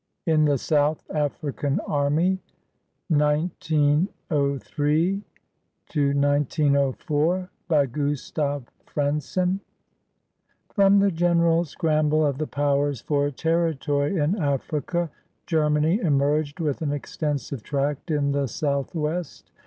I IN THE SOUTH AFRICAN AMIY [1903 1 904] BY GUSTAV FRENSSEN [From the general scramble of the Powers for territory in Africa, Germany emerged with an extensive tract in the Southwest.